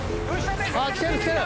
あっ来てる来てる。